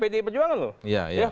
pd perjuangan loh